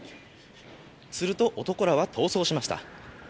すると、男らは逃走しました。